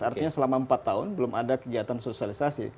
artinya selama empat tahun belum ada kegiatan sosialisasi